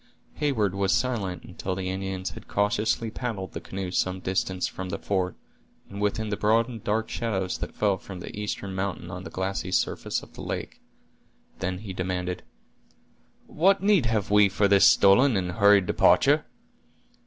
Heyward was silent until the Indians had cautiously paddled the canoe some distance from the fort, and within the broad and dark shadows that fell from the eastern mountain on the glassy surface of the lake; then he demanded: "What need have we for this stolen and hurried departure?"